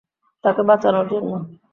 তাকে বাঁচানোর জন্য।